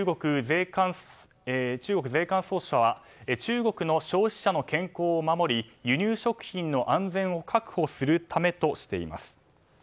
中国税関総署は中国の消費者の健康を守り輸入食品の安全を確保するためとしています。